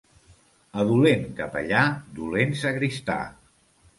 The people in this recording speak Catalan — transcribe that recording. A dolent capellà, dolent sagristà.